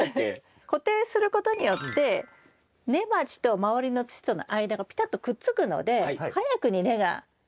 固定することによって根鉢と周りの土との間がぴたっとくっつくので早くに根が張る。